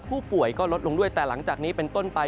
ผู้ป่วยก็ลดลงด้วยแต่หลังจากนี้เป็นต้นไป